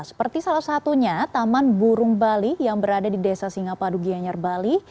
seperti salah satunya taman burung bali yang berada di desa singapadu gianyar bali